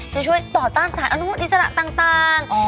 จะช่วยต่อต้านสารอนุมูลอิสระต่าง